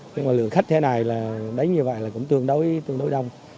nhưng mà lượng khách thế này là đánh như vậy là cũng tương đối đông